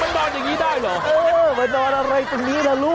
สกิดดิม